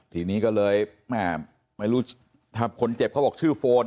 ทีนี้ก็เลยแม่ไม่รู้ถ้าคนเจ็บเขาบอกชื่อโฟน